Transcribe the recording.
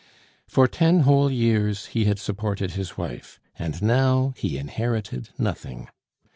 For ten whole years he had supported his wife, and now he inherited nothing!